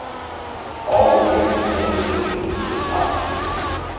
All were granted full-membership into the top tier.